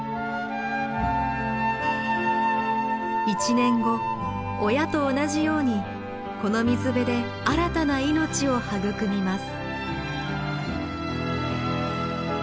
１年後親と同じようにこの水辺で新たな命を育みます。